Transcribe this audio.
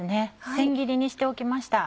千切りにしておきました。